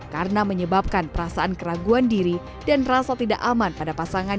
karena menyebabkan perasaan keraguan diri dan rasa tidak aman pada pasangan